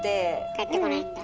帰ってこないんだ。